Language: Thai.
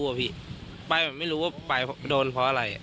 น้องผมไปแบบไม่รู้ไปแบบไม่รู้ไปโดนเพราะอะไร